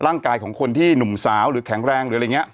ร่างกายของคนที่หนุ่มสาวหรือแข็งแรงหรืออะไรอย่างนี้